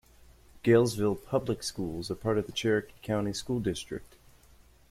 Gaylesville Public Schools are part of the Cherokee County School District.